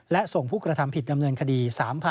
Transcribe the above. และส่งผู้กระทำผิดดำเนินคดี